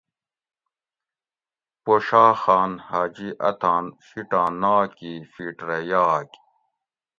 پوشاہ خان حاجی اتاں شیٹاں ناکی فیٹ رہ یاگ